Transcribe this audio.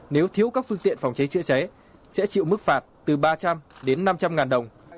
nếu thiếu các phương tiện phòng cháy chữa cháy sẽ chịu mức phạt từ ba trăm linh đến năm trăm linh ngàn đồng